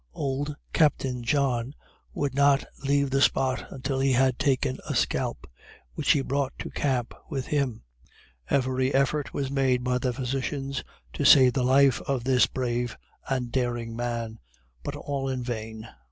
Old Captain John would not leave the spot until he had taken a scalp, which he brought to camp with him. Every effort was made by the physicians to save the life of this brave and daring man, but all in vain.